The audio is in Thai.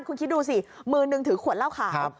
คุณคิดดูสิมือนึงถือขวดเหล้าขาว